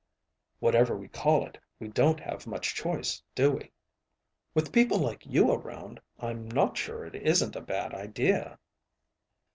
"Whatever we call it, we don't have much choice, do we?" "With people like you around, I'm not sure it isn't a bad idea."